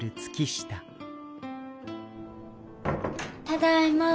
ただいま。